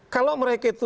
kalau mereka itu